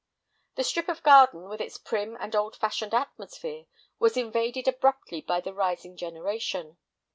The strip of garden, with its prim and old fashioned atmosphere, was invaded abruptly by the rising generation.